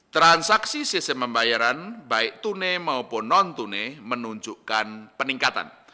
transaksi sistem pembayaran baik tunai maupun non tunai menunjukkan peningkatan